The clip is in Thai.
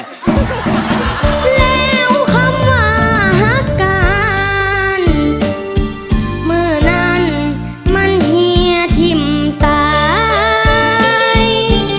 แล้วคำว่าฮักการเมื่อนั้นมันเฮียทิ้มสาย